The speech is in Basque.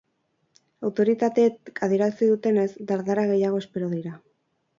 Autoritateek adierazi dutenez, dardara gehiago espero dira.